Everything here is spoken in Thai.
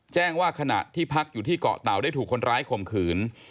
แจ้งว่าขณะที่พักอยู่ที่เกาะเตาได้ถูกคนร้ายข่มขืน